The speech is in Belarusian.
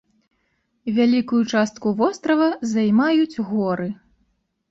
Вялікую частку вострава займаюць горы.